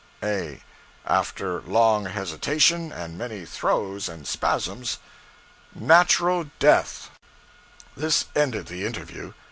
A. (After long hesitation and many throes and spasms.) Natural death. This ended the interview.